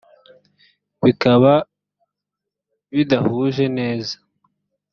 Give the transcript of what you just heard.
bikaba bidahuje neza